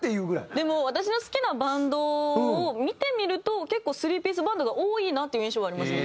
でも私の好きなバンドを見てみると結構３ピースバンドが多いなっていう印象はありますね。